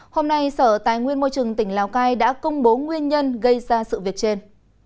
hôm nay sở tài nguyên môi trường tỉnh lào cai đã công bố nguyên nhân gây ra sự việc trên